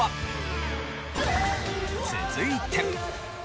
続いて。